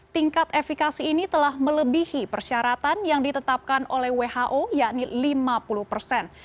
tingkat efikasi ini telah melebihi persyaratan yang ditetapkan oleh who yakni lima puluh persen